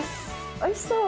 おいしそう！